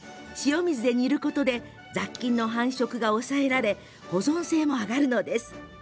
塩水で煮ることで雑菌の繁殖が抑えられ保存性も上がるのです。